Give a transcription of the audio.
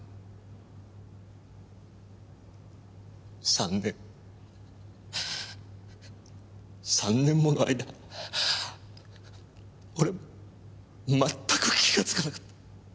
３年３年もの間俺はまったく気がつかなかった。